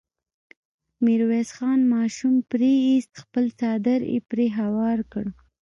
ميرويس خان ماشوم پرې ايست، خپل څادر يې پرې هوار کړ.